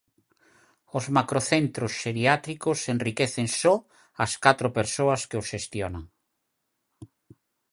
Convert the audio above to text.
Os macrocentros xeriátricos enriquecen só as catro persoas que os xestionan.